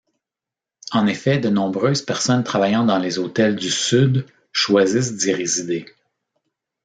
En effet, de nombreuses personnes travaillant dans les hôtels du sud, choisissent d’y résider.